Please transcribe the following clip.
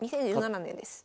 ２０１７年です。